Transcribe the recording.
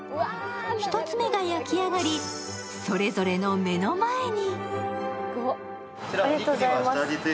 １つ目が焼き上がり、それぞれの目の前に。